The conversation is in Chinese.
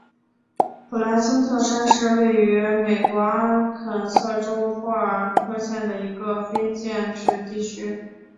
普莱森特山是位于美国阿肯色州波尔克县的一个非建制地区。